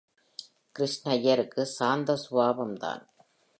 கிருஷ்ணய்யருக்கு சாந்த சுபாவம் தான்.